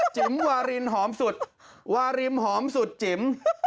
จิ๋มวารินหอมสุดวารินหอมสุดจิ๋ม